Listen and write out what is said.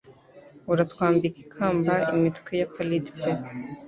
Uratwambika ikamba imitwe ya pallid pe